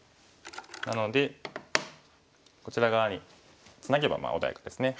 なのでこちら側にツナげば穏やかですね。